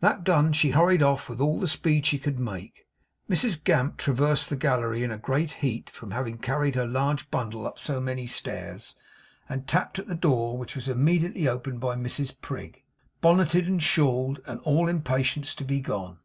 That done, she hurried off with all the speed she could make. Mrs Gamp traversed the gallery in a great heat from having carried her large bundle up so many stairs, and tapped at the door which was immediately opened by Mrs Prig, bonneted and shawled and all impatience to be gone.